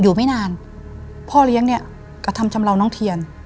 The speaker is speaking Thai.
อยู่ไม่นานพ่อเลี้ยงเนี่ยกระทำชำเลาน้องเทียน